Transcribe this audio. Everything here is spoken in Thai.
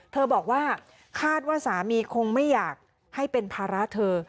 บอกว่าคาดว่าสามีคงไม่อยากให้เป็นภาระเธอ